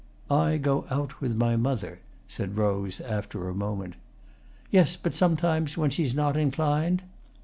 "I go out with my mother," said Rose, after a moment. "Yes, but sometimes when she's not inclined?"